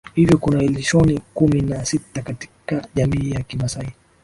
hivyo kuna Iloshoni kumi na sita katika jamii ya kimasai